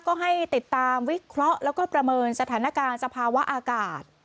ก็ให้ติดตามวิเคราะห์แล้วก็ประเมินสถานการณ์สภาวะอากาศ